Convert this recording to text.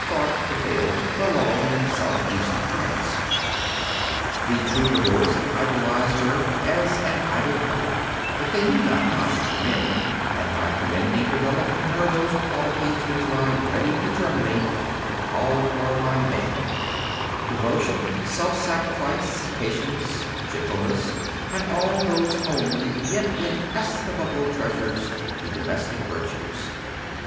thought prevailed for long in the south east of France, The troubadours idolised her, as an idol puppet, but they knew not how to commend, and by commending develop in her those qualities which lie ready to germinate when called for by man — devotion, self sacrifice, patience, gentleness, and all those homely yet inestimable treasures, the domestic virtues.